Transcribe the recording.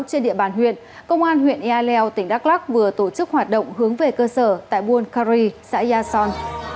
trên địa bàn huyện công an huyện ea leo tỉnh đắk lắc vừa tổ chức hoạt động hướng về cơ sở tại buôn karee xã yasson